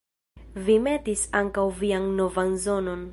Vi metis ankaŭ vian novan zonon!